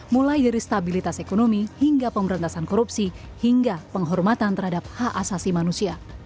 mulai dari stabilitas ekonomi hingga pemberantasan korupsi hingga penghormatan terhadap hak asasi manusia